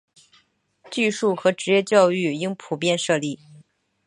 技术和职业教育应普遍设立。